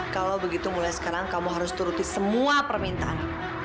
kalau begitu mulai sekarang kamu harus turutin semua permintaan